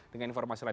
dengan informasi lain